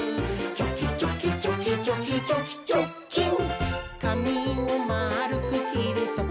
「チョキチョキチョキチョキチョキチョッキン！」